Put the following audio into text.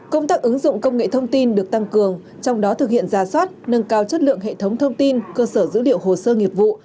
công tác ứng dụng công nghệ thông tin được tăng cường trong đó thực hiện ra soát nâng cao chất lượng hệ thống thông tin cơ sở dữ liệu hồ sơ nghiệp vụ